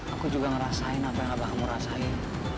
aku juga ngerasain apa yang abah kamu rasain